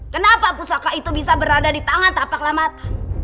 kenapa pusaka itu bisa berada di tangan tapak lamatan